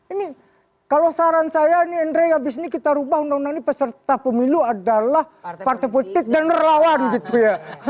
ini kalau saran saya ini andre abis ini kita ubah undang undang ini peserta pemilu adalah partai politik dan relawan gitu ya